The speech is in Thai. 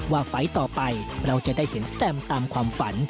ไฟล์ต่อไปเราจะได้เห็นสแตมตามความฝัน